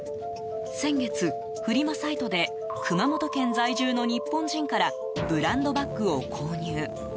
先月、フリマサイトで熊本県在住の日本人からブランドバッグを購入。